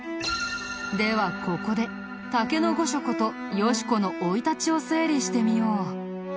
ではここで竹御所ことよし子の生い立ちを整理してみよう。